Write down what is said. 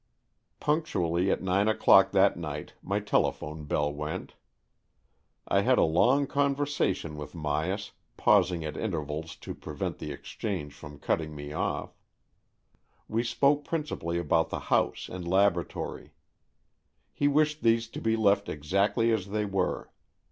Punctually at nine o'clock that night my telephone bell went. I had a long conversa tion with Myas, pausing at intervals to AN EXCHANGE OF SOULS 195 prevent the exchange from cutting me off. We spoke principally about the house and laboratory. He wished these to be left exactly as they were.